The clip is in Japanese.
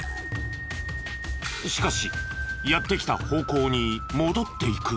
しかしやって来た方向に戻っていく。